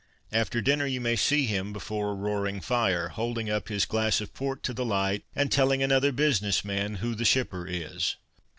After dinner you may see him, before a roaring fire, holding up his glass of port to the light and telling another business man who the shipper is.